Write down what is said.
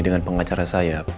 dengan pengacara saya